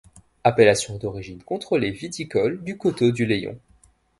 Appellation d'origine contrôlée viticole du coteaux-du-layon.